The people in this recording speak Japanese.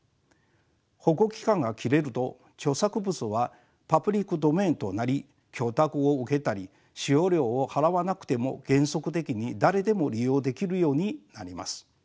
保護期間が切れると著作物はパブリック・ドメインとなり許諾を受けたり使用料を払わなくても原則的に誰でも利用できるようになります。